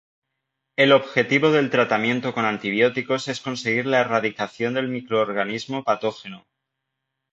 El objetivo del tratamiento con antibióticos es conseguir la erradicación del microorganismo patógeno.